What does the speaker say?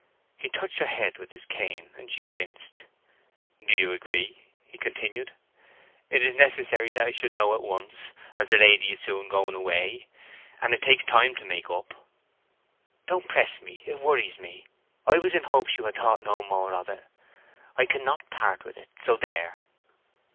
He touched her head with his cane, and she winced. "Do you agree?" he continued. "It is necessary that I should know at once, as the lady is soon going away, and it takes time to make up." "Don't press me—it worries me. I was in hopes you had thought no more of it. I can not part with it—so there!"